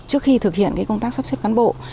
trước khi thực hiện công tác sắp xếp cán bộ